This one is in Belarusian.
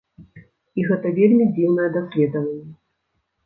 І гэта вельмі дзіўнае даследаванне.